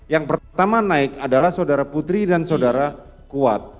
yang pertama naik adalah saudara putri dan saudara kuat